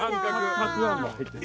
たくあんも入ってる。